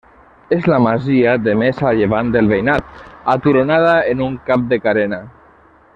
És la masia de més a llevant del veïnat, aturonada en un cap de carena.